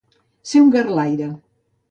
Ser un garlaire.